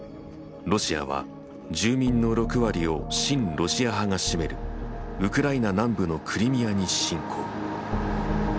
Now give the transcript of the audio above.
ロシアは住民の６割を親ロシア派が占めるウクライナ南部のクリミアに侵攻。